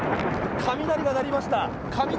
雷が鳴りました。